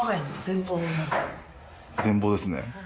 全貌ですね。